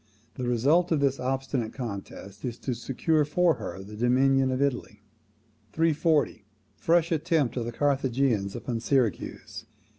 The result of this obstinate contest is to secure for her the dominion of Italy. 340. Fresh attempts of the Carthaginians upon Syracuse.